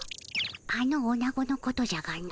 あのおなごのことじゃがの。